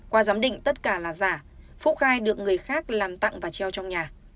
qua giám định tất cả là giả phúc khai được người khác làm tặng và treo trong nhà